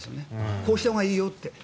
こうしたほうがいいよって。